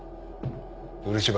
漆原。